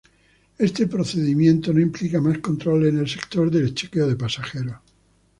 Ese procedimiento no implicaba más controles en el sector de chequeo de pasajeros.